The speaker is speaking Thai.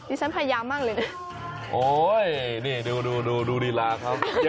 นี่ฉันพยายามมากเลยโอ้ยนี่ดูดีล่ะครับ